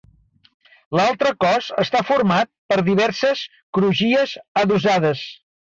L'altre cos està format per diverses crugies adossades.